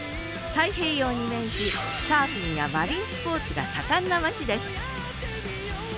太平洋に面しサーフィンやマリンスポーツが盛んな町です